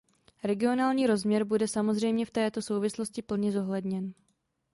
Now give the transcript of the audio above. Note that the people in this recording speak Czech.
Regionální rozměr bude samozřejmě v této souvislosti plně zohledněn.